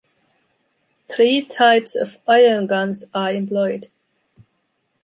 Three types of ion guns are employed.